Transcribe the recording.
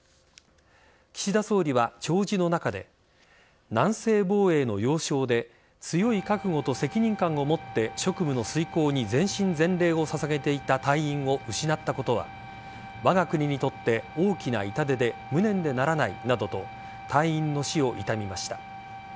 岸田総理は弔辞の中で南西防衛の要衝で強い覚悟と責任感をもって職務の遂行に全身全霊を捧げていた隊員を失ったことはわが国にとって大きな痛手で無念でならないなどと隊員の死を悼みました。